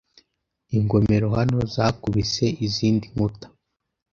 Ingomero hano zakubise izindi nkuta